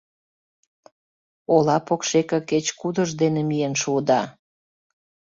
Ола покшеке кеч-кудыж дене миен шуыда!